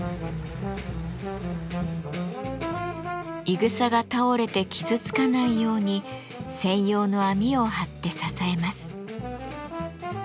いぐさが倒れて傷つかないように専用の網を張って支えます。